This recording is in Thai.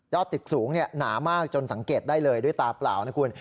ตึกสูงหนามากจนสังเกตได้เลยด้วยตาเปล่านะคุณ